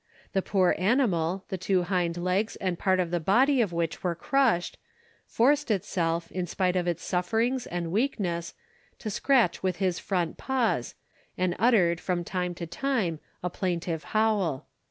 The poor animal, the two hind legs and part of the body of which were crushed, forced itself, in spite of his sufferings and weakness, to scratch with his front paws, and uttered, from time to time, a plaintive howl.